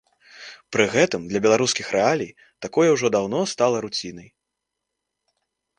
Пры гэтым для беларускіх рэалій такое ўжо даўно стала руцінай.